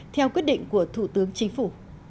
theo quyết định của thủ tướng chính phủ